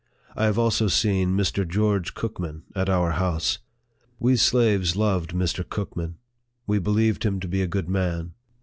I have also seen Mr. George Cookman at our house. We slaves loved Mr. Cookman. We believed him to be a good man.